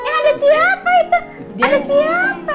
eh ada siapa itu ada siapa itu